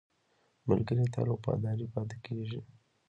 ملګری تل وفادار پاتې کېږي